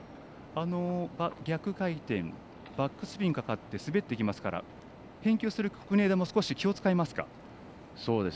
逆回転バックスピンがかかって滑ってきますから返球する国枝も気を使いますか？